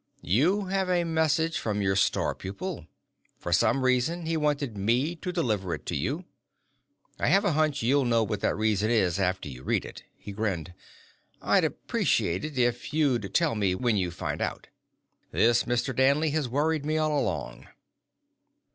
"You have a message from your star pupil. For some reason, he wanted me to deliver it to you. I have a hunch you'll know what that reason is after you read it." He grinned. "I'd appreciate it if you'd tell me when you find out. This Mr. Danley has worried me all along."